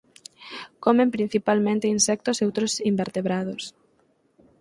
Comen principalmente insectos e outros invertebrados.